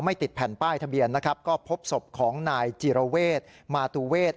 ไม่ติดแผ่นป้ายทะเบียนก็พบศพของนายจิรเวศมาตูเวศ